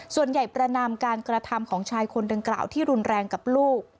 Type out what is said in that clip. ประนามการกระทำของชายคนดังกล่าวที่รุนแรงกับลูก